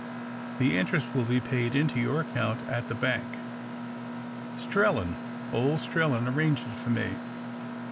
The interest will be paid into your account at the bank. Strellan, old Strellan, arranged it for me.